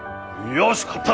よし買った！